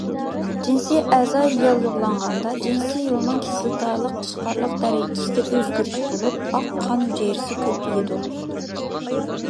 جىنسىي ئەزا ياللۇغلانغاندا جىنسىي يولنىڭ كىسلاتالىق ئىشقارلىق دەرىجىسىدە ئۆزگىرىش بولۇپ، ئاق قان ھۈجەيرىسى كۆپىيىدۇ.